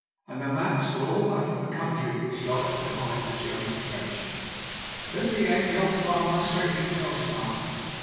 And the maps were all of that country which lies behind the German trenches. But at the end the old farmer straightened himself •smartly.